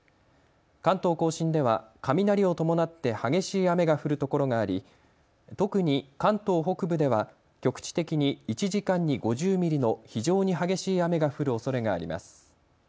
関東甲信では雷を伴って激しい雨が降るところがあり、特に関東北部では局地的に１時間に５０ミリの非常に激しい雨が降るおそれがあります。